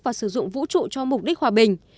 và sử dụng vũ trụ cho mục đích hòa bình